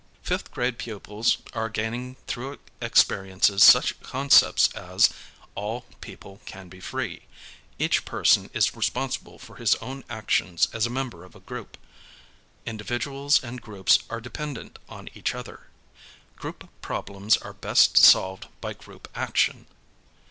Fifth grade pupils are gaining through experiences such concepts as: All people can be free. Each person is responsible for his own actions as a member of a group. Individuals and groups are dependent on each other. Group problems are best solved by group action.